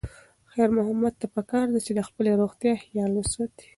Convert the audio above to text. خیر محمد ته پکار ده چې د خپلې روغتیا خیال وساتي.